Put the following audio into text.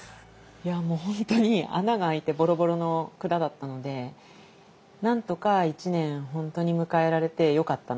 いやもう本当に穴が開いてボロボロの蔵だったのでなんとか１年本当に迎えられてよかったなっていう。